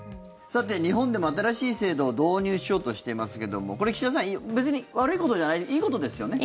日本でも新しい制度を導入しようとしていますけども岸田さん、別に悪いことじゃないいいことですよね。